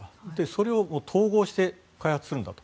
それを統合して開発するんだと。